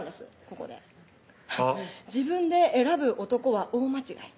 ここで「自分で選ぶ男は大間違い」